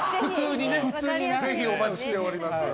ぜひお待ちしております。